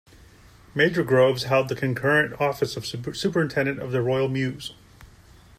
Major Groves held the concurrent office of Superintendent of the Royal Mews.